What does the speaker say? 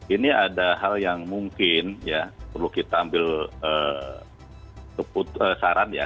ini ada hal yang mungkin ya perlu kita ambil saran ya